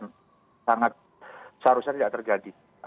yang sangat seharusnya tidak terjadi